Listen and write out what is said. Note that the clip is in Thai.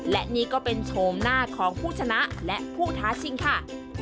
และนี่ก็เป็นโฉมหน้าของผู้ชนะและผู้ท้าชิงค่ะ